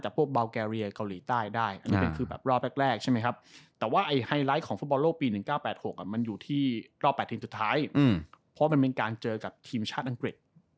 จากพวกเบาแกเรียเกาหลีใต้ได้